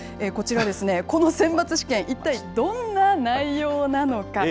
こちら、この選抜試験、一体どんな内容なのか。